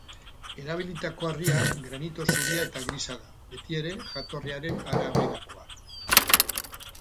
Erabilitako harria granito zuria eta grisa da, betiere jatorriaren araberakoa.